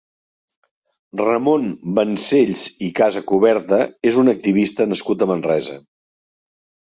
Ramon Vancells i Casacuberta és un activista nascut a Manresa.